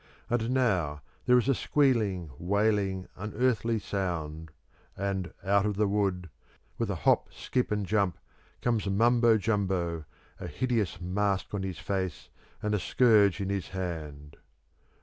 And now there is a squealing, wailing, unearthly sound, and out of the wood, with a hop, skip, and jump, comes Mumbo Jumbo, a hideous mask on his face and a scourge in his hand.